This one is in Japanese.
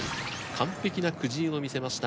完璧なくじ運を見せました